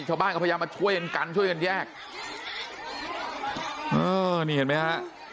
ชาวบ้านก็พยายามมาช่วยกันกันช่วยกันแยกเออนี่เห็นไหมฮะ